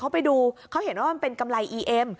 เขาไปดูเขาเห็นว่ามันเป็นกำไรอีเอ็ม